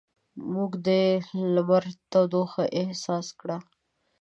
موږ د لمر تودوخه احساس کړه.